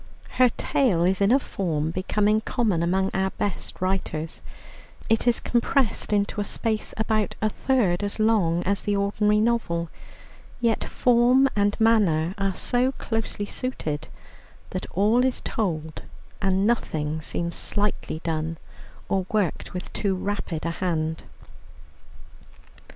Her tale is in a form becoming common among our best writers; it is compressed into a space about a third as long as the ordinary novel, yet form and manner are so closely suited that all is told and nothing seems slightly done, or worked with too rapid a hand.